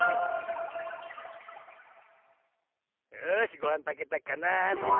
よしごはんたけたかなあ。